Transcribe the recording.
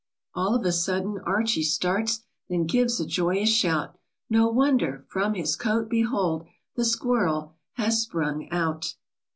All of a sudden Archie starts, Then gives a joyous shout ; No wonder ! From his coat behold, The squirrel has sprung out